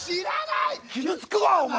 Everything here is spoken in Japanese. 傷つくわお前！